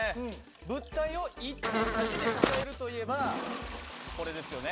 物体を１点だけで支えるといえばこれですよね。